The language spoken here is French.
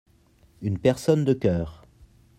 Une personne de cœur.